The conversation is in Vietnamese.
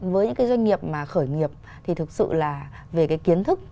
với những cái doanh nghiệp mà khởi nghiệp thì thực sự là về cái kiến thức